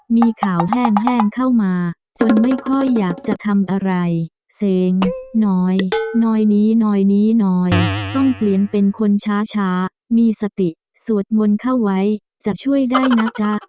มีข่าวแห้งเข้ามาจนไม่ค่อยอยากจะทำอะไรเซ้งน้อยน้อยนี้น้อยนี้น้อยต้องเปลี่ยนเป็นคนช้ามีสติสวดมนต์เข้าไว้จะช่วยได้นะจ๊ะ